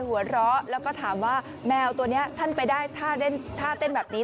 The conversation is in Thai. หัวเราะแล้วก็ถามว่าแมวตัวนี้ท่านไปได้ท่าเต้นแบบนี้